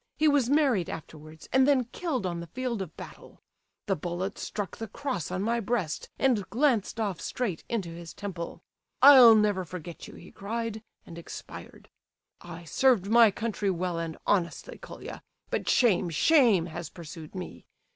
He was married afterwards, and then killed on the field of battle. The bullet struck the cross on my breast and glanced off straight into his temple. 'I'll never forget you,' he cried, and expired. I served my country well and honestly, Colia, but shame, shame has pursued me!